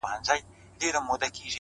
• یا سېلابونه یا زلزلې دي ,